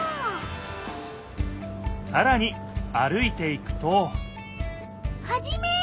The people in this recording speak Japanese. さらに歩いていくとハジメ！